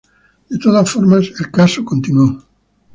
De todas formas, el caso continuó.